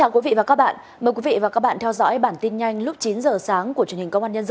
cảm ơn các bạn đã theo dõi